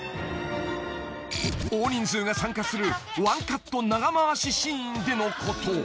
［大人数が参加するワンカット長回しシーンでのこと］用意。